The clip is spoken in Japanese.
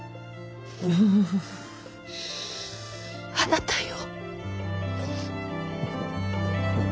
うう。あなたよ。